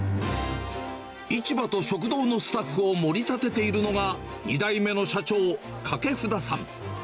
市場と食堂のスタッフを盛り立てているのが、２代目の社長、掛札さん。